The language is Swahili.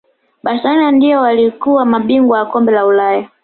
barcelona ndio waliyokuwa mabingwa wa kombe la ulaya